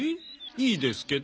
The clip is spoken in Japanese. いいですけど。